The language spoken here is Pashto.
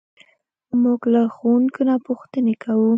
موږ له ښوونکي نه پوښتنې کوو.